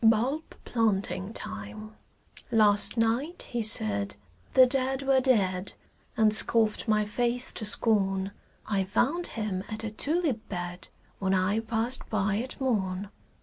BULB PLANTING TIME Last night he said the dead were dead And scoffed my faith to scorn; I found him at a tulip bed When I passed by at morn.